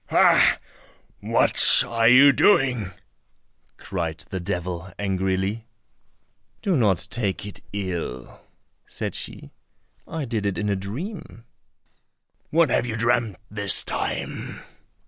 "Ha! what are you doing?" cried the devil angrily. "Do not take it ill," said she, "I did it in a dream." "What have you dreamt this time?"